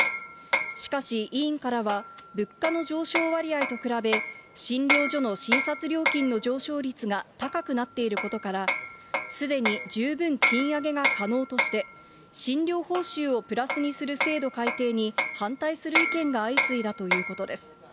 しかし、委員からは、物価の上昇割合と比べ、診療所の診察料金の上昇率が高くなっていることから、すでに十分賃上げが可能として、診療報酬をプラスにする制度改定に反対する意見が相次いだということです。